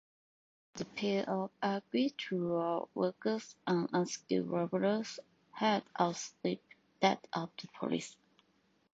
The pay of agricultural workers and unskilled labourers had outstripped that of the police.